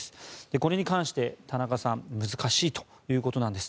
これに関して田中さん難しいということです。